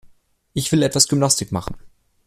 Ich will etwas Gymnastik machen.